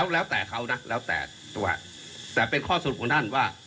แล้วแต่เขานะแล้วแต่ตัวแต่เป็นข้อสรุปของท่านว่า